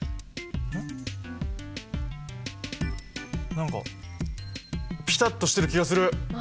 何かピタッとしてる気がする。